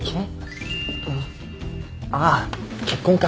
ああ結婚か。